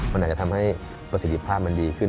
มันอาจจะทำให้ประสิทธิภาพมันดีขึ้น